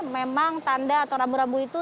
memang tanda atau rambu rambu itu